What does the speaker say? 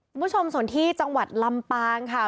คุณผู้ชมส่วนที่จังหวัดลำปางค่ะ